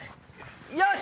よし！